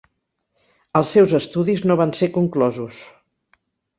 Els seus estudis no van ser conclosos.